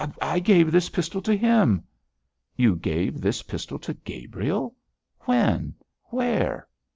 I I gave this pistol to him.' 'You gave this pistol to Gabriel? When? Where?'